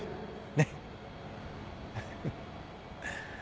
ねっ。